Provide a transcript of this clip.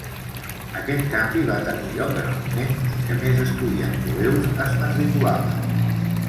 Aquest canvi va tenir lloc en el moment en què més estudiants jueus es matriculaven.